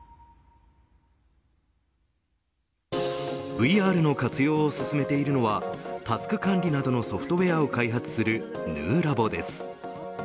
ＶＲの活用を進めているのはタスク管理などのソフトウエアを開発するヌーラボです。